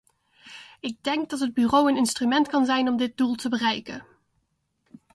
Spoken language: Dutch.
Ik denk dat het bureau een instrument kan zijn om dit doel te bereiken.